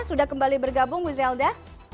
sudah kembali bergabung bu zelda